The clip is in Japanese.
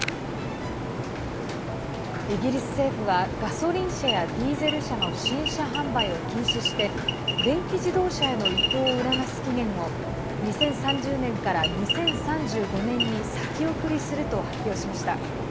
イギリス政府はガソリン車やディーゼル車の新車販売を禁止して電気自動車への移行を促す期限を２０３０年から２０３５年に先送りすると発表しました。